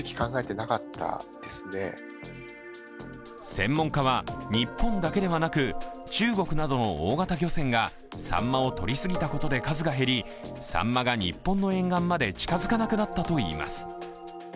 専門家は、日本だけではなく中国などの大型漁船がさんまをとりすぎたことで数が減り、さんまが日本の沿岸まで近づかなくなったといいます。